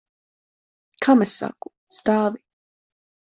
Kam es saku? Stāvi!